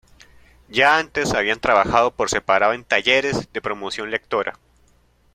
Ya antes habían trabajado por separado en talleres de promoción lectora.